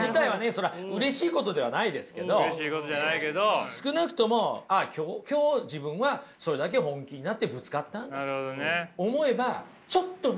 そりゃうれしいことではないですけど少なくとも今日自分はそれだけ本気になってぶつかったんだと思えばちょっとね。